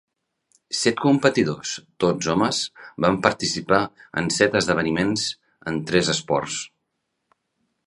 Set competidors, tots homes, van participar en set esdeveniments en tres esports.